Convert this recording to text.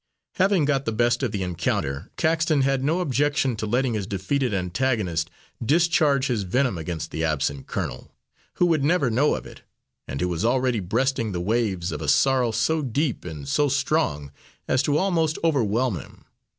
Having got the best of the encounter, Caxton had no objection to letting his defeated antagonist discharge his venom against the absent colonel, who would never know of it, and who was already breasting the waves of a sorrow so deep and so strong as almost to overwhelm him.